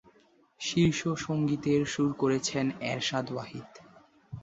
শীর্ষ সঙ্গীতের সুর করেছেন এরশাদ ওয়াহিদ।